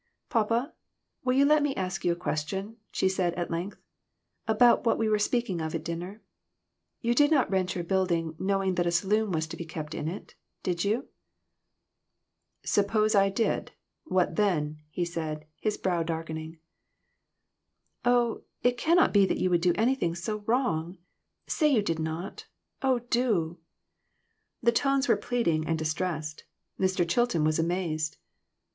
"Papa, will you let me ask you a question," she said, at length, "about what we were speaking of at dinner? You did not rent your building know ing that a saloon was to be kept in it, did you ?" "Suppose I did; what then?" he said, his brow darkening. "Oh, it cannot be that you would do anything so wrong ! Say you did not. Oh, do !" The tones were pleading and distressed. Mr. Chilton was amazed.